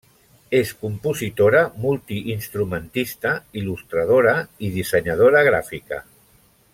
És compositora, multiinstrumentista, il·lustradora i dissenyadora gràfica.